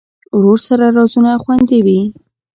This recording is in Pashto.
ورور سره رازونه خوندي وي.